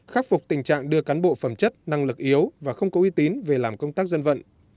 khắc phục tình trạng đưa cán bộ phẩm chất năng lực yếu và không có uy tín về làm công tác dân vận